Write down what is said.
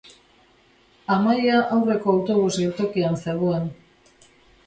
Amaia aurreko autobus geltokian zegoen.